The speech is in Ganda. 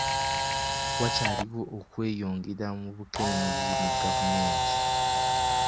Wakyaliwo okweyongera mu bukenenuzi mu gavumenti.